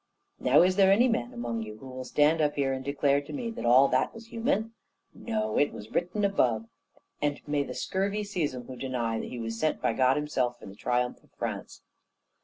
"Now, is there any man among you who will stand up here and declare to me that all that was human? No; it was written above; and may the scurvy seize 'em who deny that he was sent by God himself for the triumph of France!